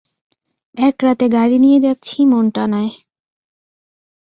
এক রাতে গাড়ি নিয়ে যাচ্ছি মন্টানায়।